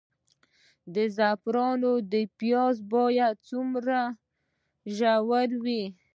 د زعفرانو پیاز باید څومره ژور وي؟